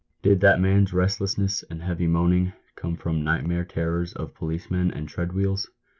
Did that man's restlessness and heavy moaning come from nightmare terrors of policemen and treadwheels